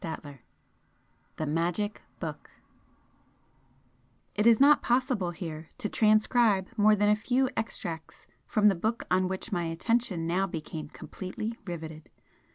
XVII THE MAGIC BOOK It is not possible here to transcribe more than a few extracts from the book on which my attention now became completely riveted.